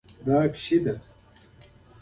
دا پیشو ده